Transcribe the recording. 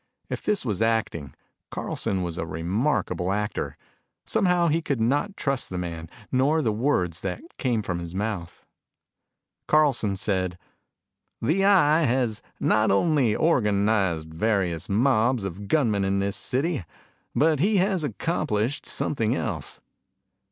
If this was acting, Carlson was a remarkable actor. Somehow, he could not trust the man nor the words that came from his mouth. Carlson said, "The Eye has not only organized the various mobs of gunmen in this city, but he has accomplished something else.